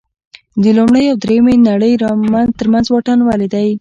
د لومړۍ او درېیمې نړۍ ترمنځ واټن ولې دی.